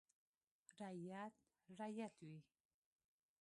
• رعیت رعیت وي.